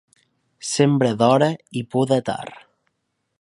Sembra d'hora i poda tard.